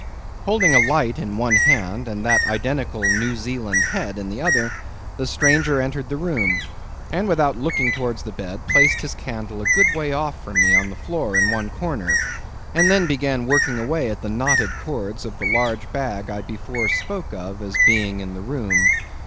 Holding a light in one hand, and that identical New Zealand head in the other, the stranger entered the room, and without looking towards the bed, placed his candle a good way off from me on the floor in one corner, and then began working away at the knotted cords of the large bag I before spoke of as being in the room.